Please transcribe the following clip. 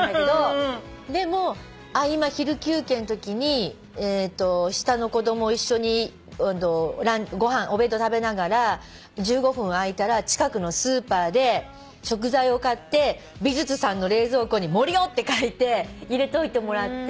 でも合間昼休憩のときに下の子供一緒にお弁当食べながら１５分空いたら近くのスーパーで食材を買って美術さんの冷蔵庫に「森尾」って書いて入れといてもらって。